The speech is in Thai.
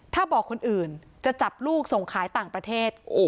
ถ้าบอกคนอื่นจะจับลูกส่งขายต่างประเทศ